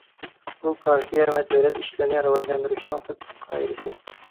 بۇ پارتىيە ۋە دۆلەت ئىشلىرىنى راۋاجلاندۇرۇشنىڭ تۈپ قائىدىسى.